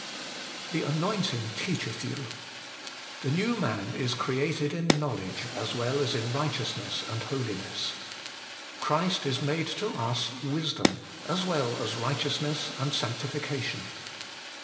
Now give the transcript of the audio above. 2. ' The anointing teacheth you' The new man is created in knowledge, as well as in righteousness and holiness. Christ is made to us wisdom, as well as righteousness and sanctification.